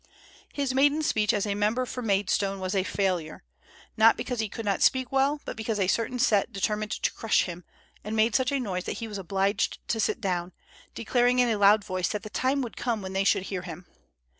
His maiden speech as member for Maidstone was a failure; not because he could not speak well, but because a certain set determined to crush him, and made such a noise that he was obliged to sit down, declaring in a loud voice that the time would come when they should hear him.